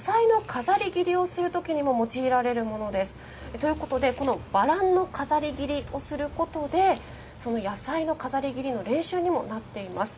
ということでこのバランの飾り切りをすることで野菜の飾り切りの練習にもなっています。